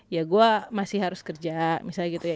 ya gue masih harus kerja misalnya gitu ya